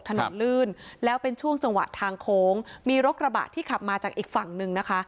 ถนนลื่นแล้วเป็นช่วงจังหวะทางโค้งมีรถกระบะที่ขับมาจากอีกฝั่งหนึ่งนะคะ